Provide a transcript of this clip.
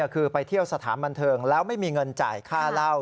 คือไปเที่ยวสถานบันเทิงแล้วไม่มีเงินจ่ายค่าเหล้า